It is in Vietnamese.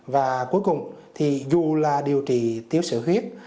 và cuối cùng thì dù là điều trị tiếu sữa huyết